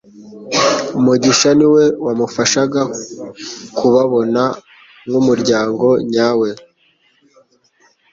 Mugisha niwe wamufashaga kubabona nkumuryango nyawe,